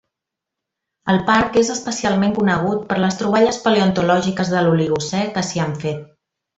El parc és especialment conegut per les troballes paleontològiques de l'Oligocè que s'hi han fet.